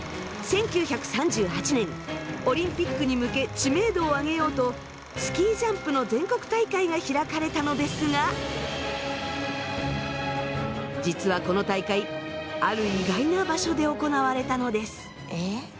１９３８年オリンピックに向け知名度を上げようとスキージャンプの全国大会が開かれたのですが実はこの大会ある意外な場所で行われたのです。